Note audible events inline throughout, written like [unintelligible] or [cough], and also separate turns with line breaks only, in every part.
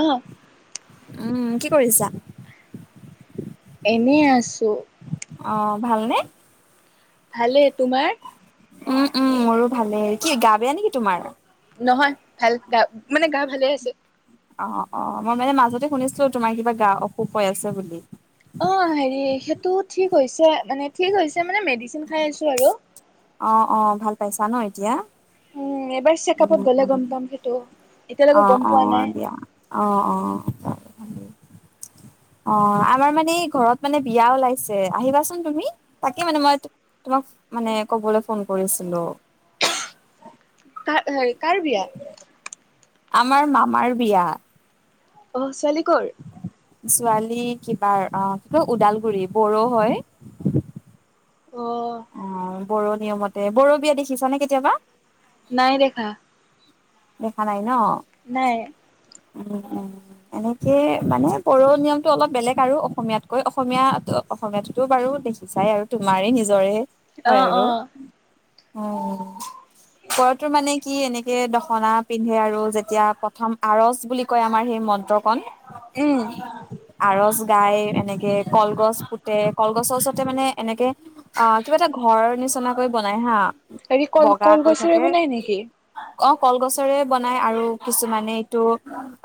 আহ।
উম কি কৰিছা?
এনেই আছো।
অ ভালনে?
ভালে। তোমাৰ?
উম উম মোৰো ভালেই কি গা বেয়া নেকি তোমাৰ?
নহয় ভাল গা মানে গা ভালে আছে।
অ অ মই মানে মাজতে শুনিছিলো তোমাৰ কিবা গা অসুখ আছে বুলি।
অ হেৰি সেইটো ঠিক হৈছে মানে ঠিক হৈছে মানে মেডিচিন খাই আছো আৰু।
অ অ ভাল পাইছা ন এতিয়া।
উম এবাৰ চেকআপত গ'লে গম পাম সেইটো। এতিয়ালৈকে
অহ
গম পোৱা
অহ
নাই।
দিয়া অহ অহ। অ আমাৰ মানে ঘৰত মানে বিয়া ওলাইছে আহিবাচোন তুমি তাকে মানে মই তো তোমাক মানে কবলৈ ফোন কৰিছিলো।
কাৰ কাৰ বিয়া?
আমাৰ মামাৰ বিয়া।
আহ ছোৱালী কৰ?
ছোৱালী কিবা অহ কি কয় ওদালগুৰি বড়ো হয়।
অ',
অ', বড়ো নিয়মতে বঢ়ো বিয়া দেখিছা নে কেতিয়াবা?
নাই দেখা।
দেখা নাই। ন
নাই।
উম অ। এনেকে মানে বঢ়ো নিয়মটো অলপ বেলেগ আৰু অসমীয়াতকৈ অসমীয়া অসমীয়াতো বাৰু দেখি চাই আৰু তোমাৰেই নিজৰে হয়
অ',
আৰু
অ',
উম পোৱা মানে কি এনে সেই দখনা পিন্ধে আৰু যেতিয়া প্ৰথম আৰচ বুলি কয় আমাৰ সেই মন্ত্ৰ কন
উম,
আৰচ গাই এনেকে কলগছ পুতে কলগছৰ ওচৰতে মানে এনেকে অ কিবা এটা ঘৰৰ নি বিচনাকৈ বনাই হা
হেৰি কল
বগা কৈ
কলগছৰে
থাকে
বনাই নেকি?
অ কলগছৰে বনাই আৰু কিছুমানে এইটো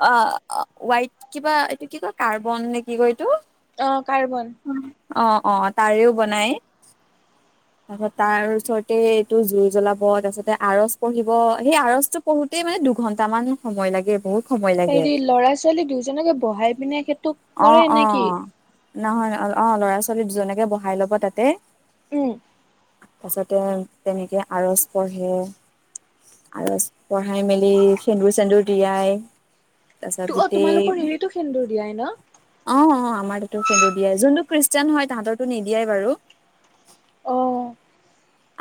অহ ৱাইট কিবা এইটো কি কয় কাৰ্বন নে কি কয় এইটো
অ কাৰ্বন।
অহ অহ তাৰেও বনাই। তাৰপিছত তাৰ ওচৰতে এইটো জুই জ্বলাব তাৰ পাছতে আৰচ পঢ়ি ব সেই আৰচটো পঢ়োতেই মানে দুঘন্টা মান সময় লাগে বহুত সময় লাগে
হেৰি ল'ৰা -ছোৱালী দুজনকে বহাই পিনে সেইটো
অ
কৰে
অ
নেকি?
নহয় ন অ ল'ৰা -ছোৱালী দুজনকে বহাই লব তাতে
উম।
তাৰ পাছতে তেনেকে আৰচ পঢ়ে আৰু পঢ়াই মেলি সেন্দুৰ চেন্দুৰ দিয়াই তাৰপাচতে
অ
গোটেই
তোমালোকৰ হেৰিতো সেন্দুৰ দিয়াই ন
অহ আ আমাৰটোতো সেন্দুৰ দিয়ে যোনটো খ্ৰীষ্টিয়ান হয় তাহতৰটো নিদিয়ে বাৰু।
অ।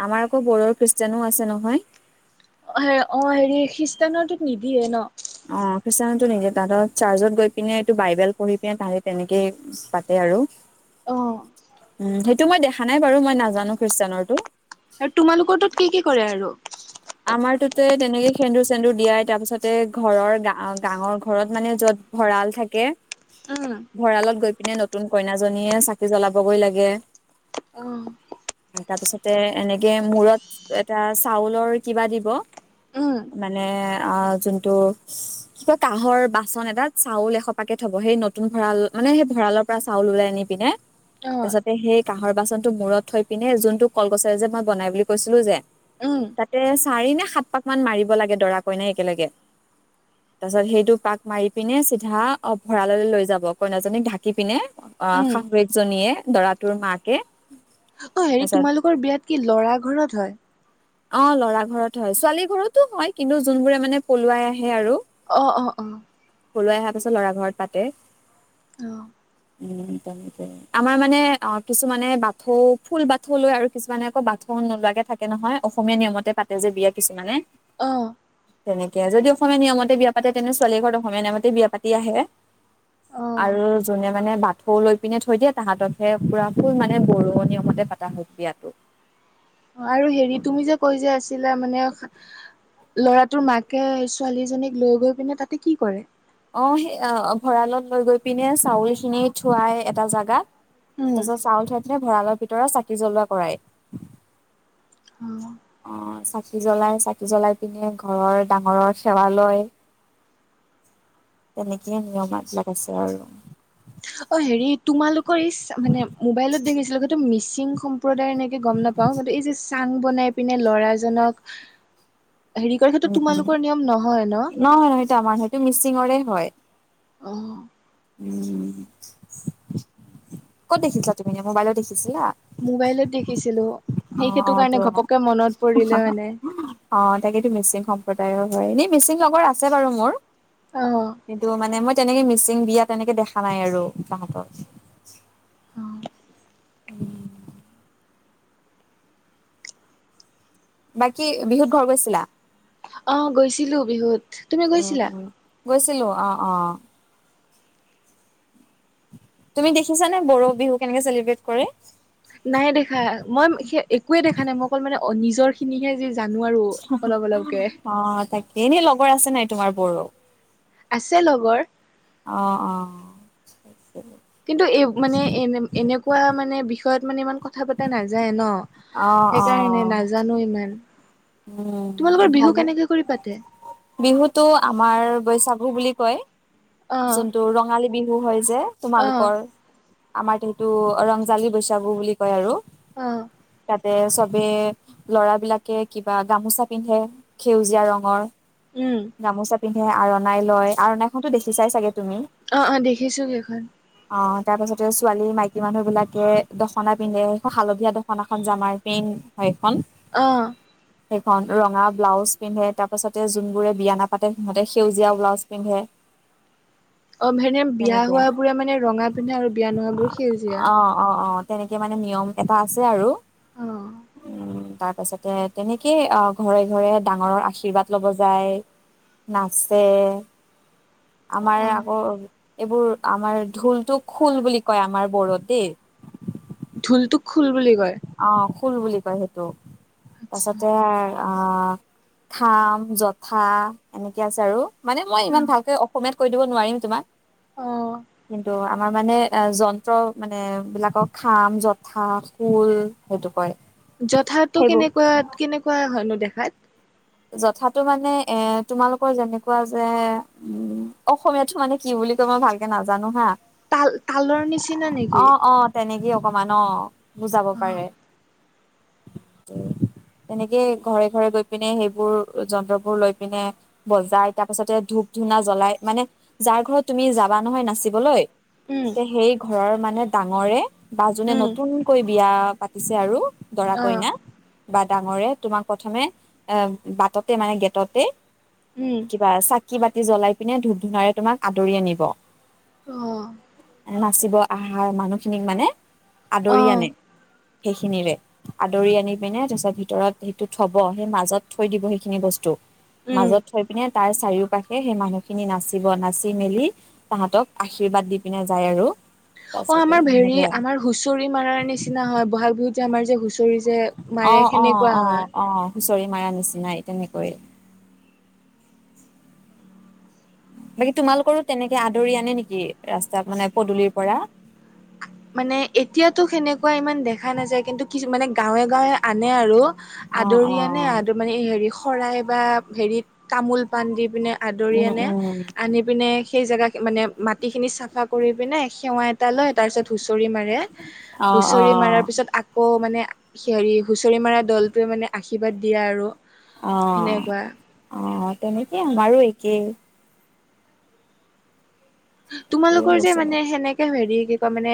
আমাৰ আকৌ বড়ৰ খ্ৰীষ্টানো আছে নহয়।
অঁ অঁ হেৰি খ্ৰীষ্টানৰটো নিদিয়ে ন
অ খ্ৰীষ্টানটো নিজে তাহাঁতৰ চাৰ্চত গৈ পিনে এইটো বাইবেল পঢ়ি পিনে তাহাঁতে তেনেকে পাতে। বাৰু
অ
উম সেইটো মই দেখা নাই বাৰু মই নাজানো খ্ৰীষ্টানৰতো।
আৰু তোমালোকৰ তো কি কি কৰে আৰু?
আমাৰ তোতে তেনেকে সেন্দুৰ চেন্দুৰ দিয়াই তাৰ পিছতে ঘৰৰ গা গাঁৱৰ ঘৰত মানে য'ত ভঁৰাল থাকে।
উম
ভঁৰালত গৈ পিনে নতুন কইনাজনীয়ে চাকি জ্বলাবগৈ লাগে
অ
তাৰ পিছতে এনেকে মূৰত এটা চাউলৰ কিবা দিব
উম
মানে অ যোনটো কিবা কাহৰ বাচন এটাত চাউল এহপাকে থব সেই নতুন ভঁৰাল মানে সেই ভঁৰালৰ পৰা চাউল ওলাই আনি পিনে
অ
তাৰপাছতে সেই কাঁহৰ বাচনটো মূৰত থৈ পিনে যোনটো কলগছেৰে যে মই বনাই বুলি কৈছিলো যে
উম
তে চাৰি নে সাত পাক মান মাৰিব লাগে দৰা কইনা একেলগে। তাৰপিছত সেইটো পাক মাৰি পিনে চিধা অ ভঁৰাললৈ লৈ যাব কইনাজনীক ঢাকি পিনে। অ
উম
শাহুুৱেকজনীয়ে দৰাটোৰ মাকে
অঁ হেৰি
তাৰপিছত
তোমালোকৰ বিয়াত কি লৰা ঘৰত হয়
অ ল'ৰা ঘৰত হয় ছোৱালী ঘৰতো হয় কিন্তু যোনবোৰে মানে পলুৱাই আহে আৰু।
অ অ অ
পলোৱাই অহা পাছত লৰা ঘৰত পাতে।
অঁ।
উ তেনেকে আমাৰ মানে অঁ কিছুমানে বাথৌ ফুল বাথৌ লৈ আৰু কিছুমানে আকৌ বাথ নোলোৱাকে থাকে নহয় অসমীয়া নিয়মতে পাতে যে বিয়া কিছুমানে
অঁ!
তেনেকে যদি অসমীয়া নিয়মতে বিয়া পাতে তেন্ত ছোৱালী ঘৰত অসমীয়া নিয়মতে বিয়া পাতি আহে।
অ
আৰু যোনে মানে বাথৌ লৈ পিনে থৈ দিয়ে তাহাঁতকহে পুৰা ফুল মানে বৰু নিয়মতে পতা হয় বিয়াটো।
আৰু হেৰি তুমি যে কৈ যে আছিলা মানে ল'ৰাটোৰ মাকে ছোৱালীজনীক লৈ গৈ পিনে তাতে কি কৰে?
অ সেই ভঁৰালত লৈ গৈ পিনে চাউল খিনি থোৱাই এটা জাগাত।
উম
তাৰপিছত চাউল থোৱ পিনে ভঁৰালৰ ভিতৰত চাকি জ্বলোৱা কৰাই। অ চাকি জ্বলাই চাকি জ্বলাই পিনে ঘৰৰ ডাঙৰৰ সেৱা লয় তেনেকেই নিয়ম বিলাক আছে আৰু।
অ হেৰি তোমালোকৰ ইচ মানে মোবাইলত দেখিছিলো মিচিং সম্প্ৰ- প্ৰদাৰ এনেকে গম নাপাওঁ কিন্তু এই যে চাং বনাই পিনে ল'ৰাজনক হেৰি কৰাৰ
উম
ক্ষেত্ৰত
উম
তোমালোকৰ নিয়ম নহয় ন
নহয় নহয় সেইটো আমাৰ সেইটো মিচিঙৰে হয়
অ
উম কত দেখিছা তুমি মোবাইলত দেখিছিলা?
মোবাইলত দেখিছিলো। সেই
অঁ
সেইটো
অঁ
কাৰণে
তো অঁ
ঘপককে মনত পৰিলে মানে
অঁ তাকেটো মিচিং সম্প্ৰ সম্প্ৰদায়ৰ হয় এনেই মিচিং লগৰ আছে বাৰু মোৰ
অ
কিন্তু মানে মই তেনেকে মিচিং বিয়া তেনেকে দেখা নাই আৰু তাঁহতৰ।
অঁ।
উম। বাকী বিহুত ঘৰ গৈছিলা?
অ গৈছিলো বিহুত। তুমি গৈছিলা?
অঁ অঁ। তুমি দেখিছা নে বড়ো বিহু কেনেকে চেলিব্ৰেট কৰে?
নাই দেখা মই সেই একোৱে দেখা নাই মই অকল মানে নিজৰ খিনিহে যি জানো আৰু
হুম
অলপ অলপকে
অ, তাকে এনেই লগৰ আছে নাই তোমাৰ ব্ৰ।
আছে লগৰ।
অহ, অহ
কিন্তু এই মানে এনে এনেকুৱা মানে বিষয়ত মানে ইমান কথা পতা নাযায় ন?
অ অ
সেইকাৰণে নাজানো ইমান।
উম,
তোমালোকৰ বিহু
ভালে
কেনেকে কৰি পাতে
বিহুটো আমাৰ বৈশাখ বিহু বুলি কয়,
অ
যোনটো ৰঙালী বিহু হয় যে
অ
তোমালোকৰ। আমাৰ সেইটো ৰংজালী বৈশাগু বুলি কয় আৰু।
অহ।
তাতে চবে ল'ৰা বিলাকে কিবা গামোচা পিন্ধে সেউজীয়া ৰঙৰ।
উম
গামোচা পিন্ধে আৰু অনাই লয় আৰু অনাই খন দেখি চাই চাগে তুমি।
অহ, অহ দেখিছো সেইখন।
অঁ, তাৰপাছতে ছোৱালী, মাইকী মানুহবিলাকে দখনা পিন্ধে বা হালধীয়া দখনাখন জামাৰ পিন্ট সেইখন।
অহ।
সেইখন ৰঙা ব্লাউজ পিন্ধে, তাৰ পাছতে যোনবোৰে বিয়া নাপাতে সিহঁতে সেউজীয়া ব্লাউজ পিন্ধে। [unintelligible]
অহ সেনে বিয়া
তেনেকে
হোৱাবোৰে মানে ৰঙা পিন্ধা আৰু বিয়া নোহাবোৰ সেউজীয়া।
অ', অ', অ', তেনেকে মানে নিয়ম এটা আছে আৰু।
অহ।
উম, তাৰ পাছতে তেনেকেই অ ঘৰে-ঘৰে ডাঙৰৰ আশীৰ্বাদ লব যায়। নাচে আমাৰ
অ
আকৌ এইবোৰ আমাৰ ঢোলটো খোল বুলি কয় আমাৰ বোৰত দেই।
ঢোল তোক
অ, খুল বুলি কয় সেইটো। তাৰ পাছতে
আচ্ছা
অ, খাম, যথা এনেকে আছে আৰু। মানে মই ইমান ভালকে অসমীয়াত কৈ দিব নোৱাৰিম তোমাক।
অ
কিন্তু, আমাৰ মানে অ, যন্ত্ৰ মানে বিলাকৰ খাম জথা শুল সেইটো কয়।
যথাতো
সেইবোৰ
কেনেকুৱা কেনেকুৱা হয়নো দেখাত?
যথাতটো মানে এ তোমালোকৰ যেনেকুৱা যে উম অসমীয়া তো মানে কি বুলি বুলি কয় মই ভালকে নাজানো হা।
তাল তালৰ নিচিনা
অ
নেকি?
অ তেনেকেই অকমান অ, বুজাব
অ
পাৰে। তাতে ঘৰে-ঘৰে গৈ পিনে সেই বোৰ যন্ত্ৰবোৰ লৈ পিনে বজাই তাৰ পিছতে ধূপ-ধূনা জ্বলাই মানে যাৰ ঘৰত তুমি তুমি যাবা নহয় নাচিবলৈ
উম
তে সেই ঘৰৰ মানে ডাঙৰে বা যোনে
উম
নতুনকৈ বিয়া পাতিছে আৰু দৰা
অ
কইনা বা ডাঙৰে তোমাক প্ৰথমে এ বাটতে মানে গেটতে
উম
কিবা চাকি চাকি বাতি জ্বলাই পিনে ধূপ-ধূনাৰে তোমাক আদৰি আনিব।
আহ।
নাচিব অহা মানুহখিনিক মানে
অ
আদৰি আনে। সেইখিনিৰে আদৰি আনি পিনে তাৰপিছত ভিতৰত সেইটো থব সেই মাজত থৈ দিব সেইখিনি বস্তু।
উম
মাজত থৈ পিনে- তাৰ চাৰিও পাশে সেই মানুহখিনি নাচিব। নাচি মেলি তাহাঁতক আশীৰ্বাদ দি পিনে যায় আৰু।
অ,
তাৰপিছতে
আমাৰ হেৰি
সেনেকে
আমাৰ হুঁচৰি মাৰাৰ নিচিনা হয়, বহাগ বিহুত যে আমাৰ যে হুঁচৰি যে মাৰে সেনেকুৱা হয়
অ-অ-অ- অ হুঁচৰি মাৰা নিচিনাই তেনেকৈ। বাকী তোমালোকৰো তেনেকে আদৰি আনে নেকি, ৰাস্তা মানে পদুলিৰ পৰা?
মানে এতিয়াতো সেনেকুৱা ইমান দেখা নাযায় কিন্তু কিছু মানে গাঁৱে গাঁৱে আনে আৰু
অ অ
আদৰি আনে আ মানে হে শৰাই বা হেৰিত তামোল পাণ দি। দি পিনে আদৰি
উম
আনে,
উম
আনি পিনে সেই জেগা মানে মাটিখিনি চাফা কৰি পিনে সেৱা এটা লয় তাৰপিছত। হুচৰি মাৰে
অ',
হুচৰি মাৰাৰ
অ',
পিছত আকৌ মানে। হেৰি হুঁচৰি মৰা দলটোৱে মানে আশীৰ্বাদ দিয়া আৰু।
অ
সেনেকুৱা
অ তেনেকেই আমাৰো একেই। একেই
তোমালোকৰ যে
হৈছে
মানে সেনেকে হেৰি কি কোৱা মানে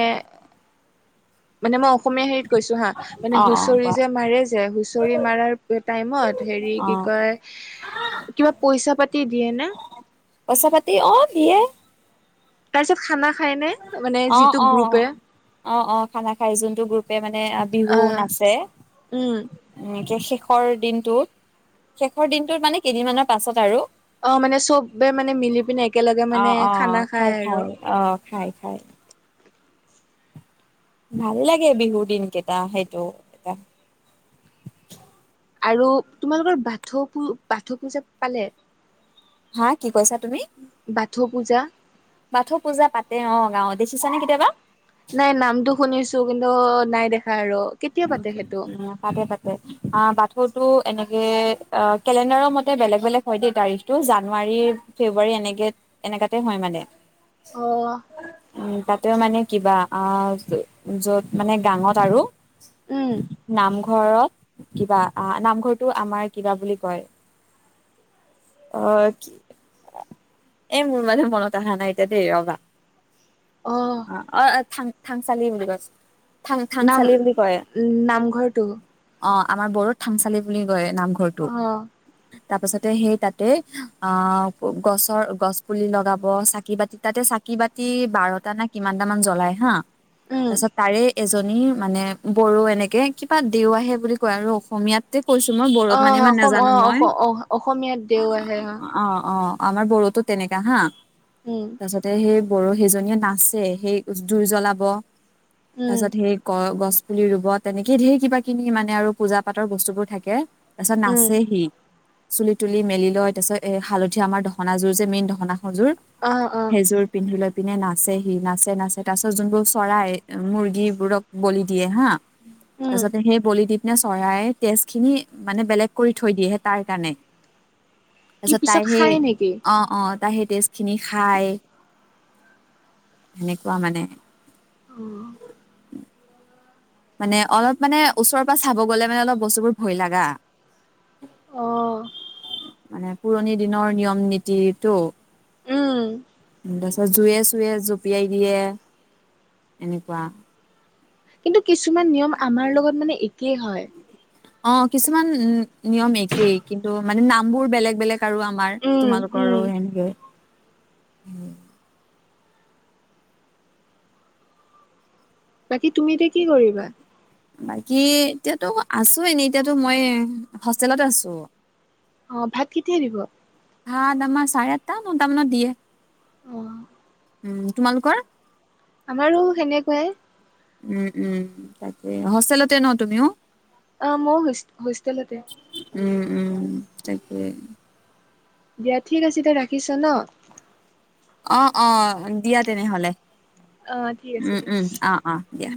মানে মই। অসমীয়া হেৰিত কৈছো হা মানে
অ', অ',
হুঁচৰি
কোৱা
যে মাৰে যে হুঁচৰি মাৰ টাইমত হেৰি কি।
অ',
কয় কিবা পইচা পাতি দিয়ে ন।
পইচা পাতি অ দিয়ে।
তাৰপিছত খানা খায়নে মানে
অ',
যিটো
অ',
গ্ৰুপে।
অ', অ', খানা খাই যোনটো গ্ৰুপে মানে বিহু
অ
নাচে
উম
এনেকে শেষ শেষৰ দিনটোত শেষৰ দিনটোত মানে কেইদিনমানৰ পাছত আৰু।
অ মানে চবে মানে মিলি পিনি একেলগে মানে খানা খাই আৰু।
খায় খায়। ভাল লাগে বিহুৰ দিন কেইটা সেইটো এটা।
আৰু তোমালোকৰ বাথৌ বাথৌ পূজা পালে।
হা কি কৈছা তুমি
বাথৌ পূজা
বাথ পূজা পাতে অ গাঁৱত। দেখিছানে কেতিয়াবা?
নাই নামটো শুনিছো কিন্তু নাই দেখা আৰু। কেতিয়া পাতে সেইটো
তাতে তাতে অ বাথৰটো এনে। অ কেলেণ্ডাৰৰ মতে বেলেগ বেলেগ হয় দেই তাৰিখটো জানুৱাৰী ফেব্ৰুৱাৰী এনেকে তেনেকাতে হয় মানে।
অহঁ।
তেওঁ মানে কিবা অ যত মানে গাঙত আৰু
উম
ঘৰত কিবা নামঘৰটো আমাৰ কিবা বুলি কয়। অ কি এই মোৰ মাজে মনত আহা নাই এতিয়া দেই ৰবা। অ অ থ থাংচালি বুলি কৈছে। থাং
নাম
থাংচালি বুলি কয়
নামঘৰটো
অ আমাৰ বড়োত থানচালি বুলি কয় নামঘৰটো।
অ
তাৰ পাছতে সেই তাতে অ গছৰ গছ পুলি লগাব চাকি বতি তাতে চাকি ক বাতি বাৰটা না কিমানটা মান জ্বলাই হা
উম
তাৰ পিছত তাৰে। এজনী মানে বড়ো এনেকে কিবা দেউ আহে বুলি কয় আৰু অসমীয়তে। কৈছো মই বৰত
অ
মানি ইমান
অসম অ
নাজানো মই
অস অ অসমীয়াত দেও আহে
অ অ। আমাৰ বড়োতো তেনেকা হা
উম
তাৰছতে সেই বড়ো। সেই জনীয়ে নাচে সেই জুই জ্বলাব তাৰ
উম
পিছত সেই কল গছ পুলি ৰুব তেনেকেই ঢেৰ কিবা কিনি মানে আৰু পূজা পাতৰ বস্তুবোৰ থাকে তাৰ পিছত
উম
নাচেহি। চুলি তুলি মেলি লয় তাৰপিছ এ হালধীয়া আমাৰ দহনাযোৰ যে মেইন দহনা সযোৰ
অ অ
সেযোৰ পিন্ধিলে। পিনে নাচে সি নাচে নাচে তাৰ পিছত যোনবোৰ চৰাই মুৰ্গী বোৰক বলি দিয়ে হা। তাৰ
উম
পাছতে সেই পলিটপ। সনা চৰাই তেজ খিনি মানে বেলেগ কৰি থৈ দিয়েহে তাৰ কাৰণে।
কি
তাৰপিছত
পিছত
তাইহে
খায় নেকি
অ অ তাইহ। তেজ খিনি খাই সেনেকুৱা মানে।
উ।
মানে অলপ মানে ওচৰৰ পৰা চাব গ'লে মানে অলপ বস্তুবোৰ ভয় লাগা।
অঁ
মানে পুৰণি দিনৰ নিয়ম নীতিটো
উম।
তাৰ পিছত জুয়ে চুয়ে জঁপিয়াই দিয়ে এনেকুৱা।
কিন্তু কিছুমান নিয়ম আমাৰ লগত মানে একেই হয়।
অ' কিছুমান উ- নিয়ম একেই। কিন্তু মানে নামবোৰ বেলেগ - বেলেগ। আৰু আমাৰ
উম উম
তোমালোকৰো সেনেকে। উম।
বাকী তুমি এতিয়া কৰিবা?
বাকী এতিয়াতো আছো এনেই। এতিয়াতো মই হোষ্টেলত আছো।
অ ভাত কেতিয়া দিব?
ভাত আমাৰ চাৰে আঠটা-নটা মানত দিয়ে।
অ'।
উম, তোমালোকৰ?
আমাৰো সেনেকুৱাই।
উম, উম। তাকে হোষ্টেলতে ন তুমিও?
অ' মও হোষ- হোষ্টেলতে।
উম উম তাকেই।
দিয়া ঠিক আছে দিয়া। ৰাখিছো ন।
অ-অ দিয়া তেনেহলে।
অ ঠিক আছে
উম
দিয়া
- উম। অ' - অ' দিয়া।